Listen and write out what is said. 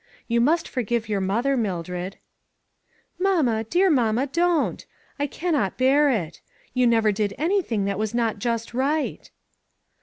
You must forgive your mother, Mildred." 44 Mamma, dear mamma, don't ! I cannot bear it. You never did anything that was not just right."